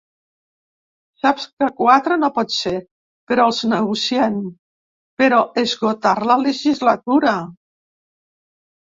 Saps que quatre no pot ser, però els negociem… però esgotar la legislatura.